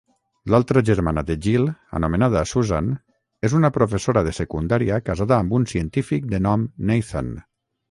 L'altra germana de Gil anomenada Susan és una professora de secundària casada amb un científic de nom Nathan.